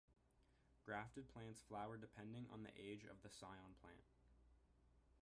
Grafted plants flower depending on the age of the scion plant.